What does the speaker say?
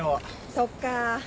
そっか。